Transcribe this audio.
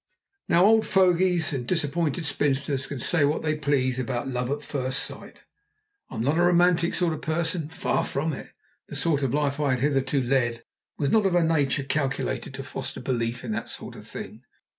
Now old fogies and disappointed spinsters can say what they please about love at first sight. I'm not a romantic sort of person far from it the sort of life I had hitherto led was not of a nature calculated to foster a belief in that sort of thing.